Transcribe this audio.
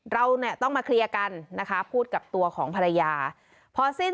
เราเนี่ยต้องมาเคลียร์กันนะคะพูดกับตัวของภรรยาพอสิ้น